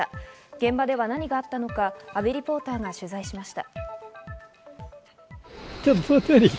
現場では何があったのか、阿部リポーターが取材しました。